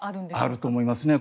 あると思いますね。